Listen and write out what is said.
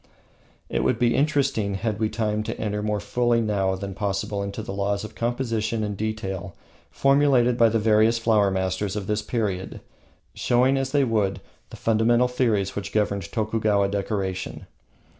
It would be interesting, had we time, to enter more fully than it is now possible into the laws of composition and detail formulated by the various flower masters of this period, showing, as they would, the fundamental theories which governed Tokugawa decoration.